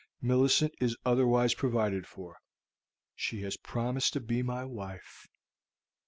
Millicent is otherwise provided for; she has promised to be my wife."